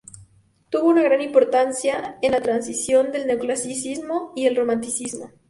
Tuvo una gran importancia en la transición del Neoclasicismo al Romanticismo.